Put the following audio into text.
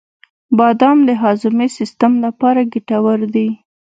• بادام د هاضمې سیسټم لپاره ګټور دي.